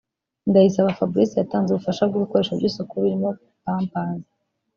Ndayisaba Fabrice yatanze ubufasha bw’ibikoresho by’isuku birimo Pampers